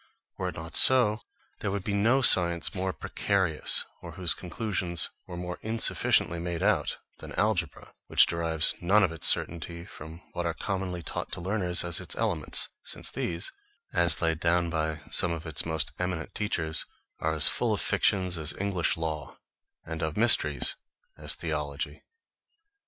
Were it not so, there would be no science more precarious, or whose conclusions were more insufficiently made out, than algebra; which derives none of its certainty from what are commonly taught to learners as its elements, since these, as laid down by some of its most eminent teachers, are as full of fictions as English law, and of mysteries as theology.